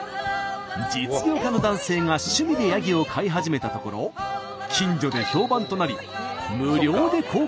実業家の男性が趣味でやぎを飼い始めたところ近所で評判となり無料で公開するようになったんだとか。